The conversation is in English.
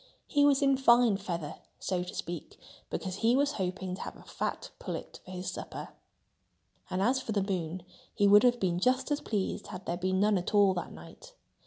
He was in fine feather, so to speak, because he was hoping to have a fat pullet for his supper. And as for the moon, he would have been just as pleased had there been none at all that night.